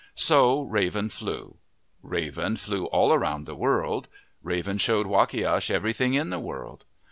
So Raven flew. Raven flew all around the world. Raven showed Wakiash everything in the world.